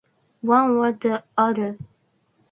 One or the other.